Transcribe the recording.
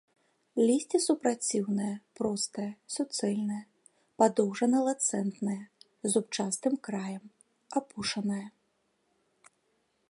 Лісце супраціўнае, простае, суцэльнае, падоўжана-ланцэтнае, з зубчастым краем, апушанае.